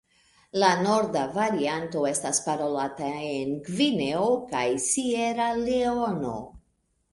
La norda varianto estas parolata en Gvineo kaj Sieraleono.